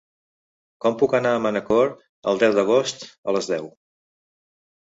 Com puc anar a Manacor el deu d'agost a les deu?